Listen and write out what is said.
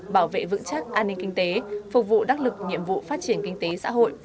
bảo vệ vững chắc an ninh kinh tế phục vụ đắc lực nhiệm vụ phát triển kinh tế xã hội